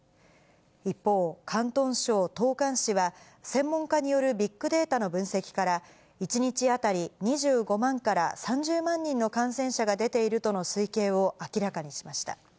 一方、広東省東莞市は専門家によるビッグデータの分析から、１日当たり２５万から３０万人の感染者が出ているとの推計を明らかにしました。